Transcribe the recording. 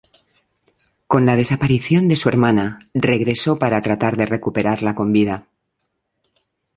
Con la desaparición de su hermana regresó para tratar de recuperarla con vida.